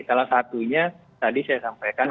salah satunya tadi saya sampaikan